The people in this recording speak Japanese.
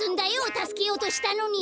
たすけようとしたのに！